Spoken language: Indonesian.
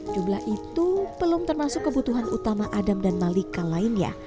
jumlah itu belum termasuk kebutuhan utama adam dan malika lainnya